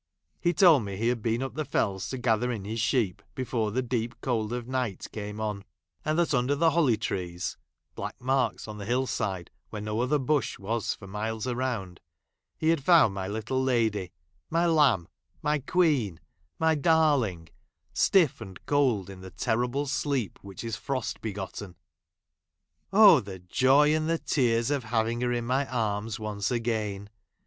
He told me he had been up the Fells to gather in his sheep, before the deep cold of night came on, and that under the holly trees (black marks on the hill side, where no other bush was for miles around) he had found my little lady — my lamb — my queen — my darling — stiff and 16 A ROUND or STORIES BY THE CHRISTMAS EIRE, [Conducted by I cold, in the terrible sleep which is frost begotten. Oh ! the joy, and the tears of ' having her in my arms once again